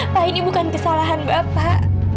pak ini bukan kesalahan bapak